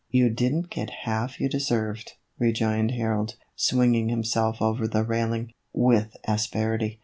"You didn't get half you deserved," rejoined Harold, swinging himself over the railing, with asperity.